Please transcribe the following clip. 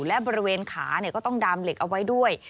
และบริเวณขาก็ต้องดามเหล็กเอาไว้ด้วย